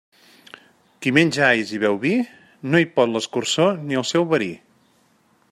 Qui menja alls i beu vi, no hi pot l'escurçó ni el seu verí.